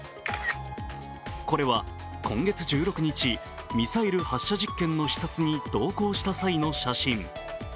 これは今月１６日、ミサイル発射実験の視察に同行した際の写真。